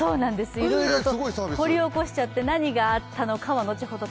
いろいろ掘り起こしちゃって、何があったのかは後ほど。